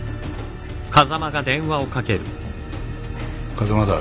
風間だ。